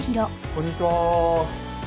こんにちは。